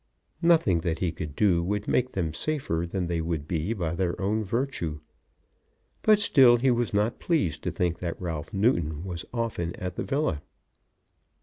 Nothing that he could do would make them safer than they would be by their own virtue. But still he was not pleased to think that Ralph Newton was often at the villa.